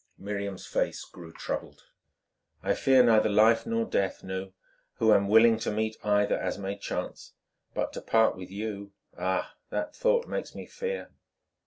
Miriam's face grew troubled. "I fear neither life nor death, Nou, who am willing to meet either as may chance. But to part with you—ah! that thought makes me fear."